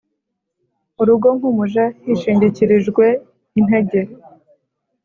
urugo nk umuja hishingikirijwe intege